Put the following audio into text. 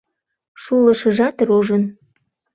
Шулышыжат рожын.